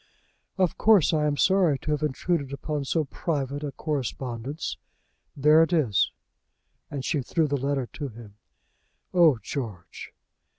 "Of course I am sorry to have intruded upon so private a correspondence. There it is." And she threw the letter to him. "Oh, George!"